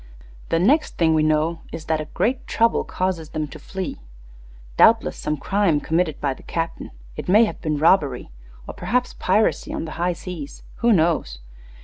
The next thing we know is that a 'great trouble' causes them to flee doubtless some crime committed by the captain. It may have been robbery, or perhaps piracy on the high seas; who knows?